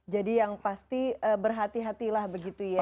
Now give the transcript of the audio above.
jadi yang pasti berhati hatilah begitu ya